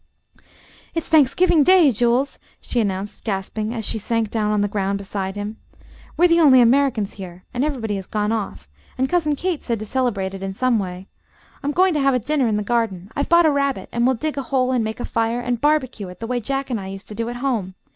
"It's Thanksgiving Day. Jules," she announced, gasping, as she sank down on the ground beside him. "We're the only Americans here, and everybody has gone off; and Cousin Kate said to celebrate in some way. I'm going to have a dinner in the garden. I've bought a rabbit, and we'll dig a hole, and make a fire, and barbecue it the way Jack and I used to do at home.